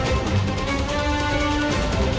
tidak ada yang bisa dihukum